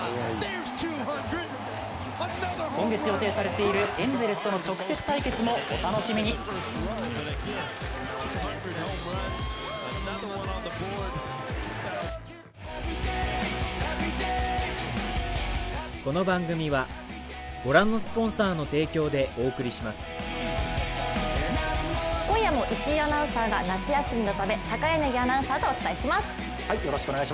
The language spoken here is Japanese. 今月予定されているエンゼルスとの直接対決も今夜も石井アナウンサーが夏休みのため高柳アナウンサーとお伝えします。